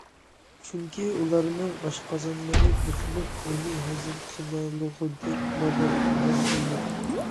چۈنكى ئۇلارنىڭ ئاشقازانلىرى بۇزۇلغان، ئۇنى ھەزىم قىلالىغۇدەك مادار ئۇلاردا يوق.